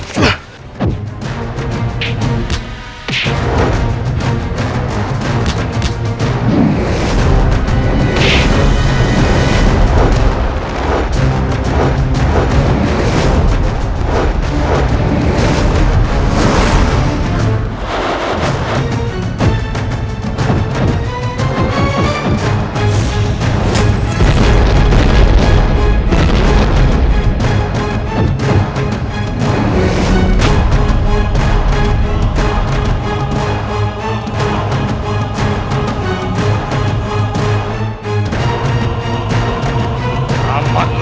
tapi aku tidak takut